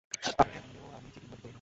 আর, এমনে ও, আমি চিটিং বাজি করি না।